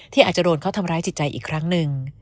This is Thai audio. อาจจะโดนเขาทำร้ายจิตใจอีกครั้งหนึ่ง